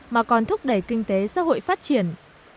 mà còn thúc đẩy kinh tế xã hội phát triển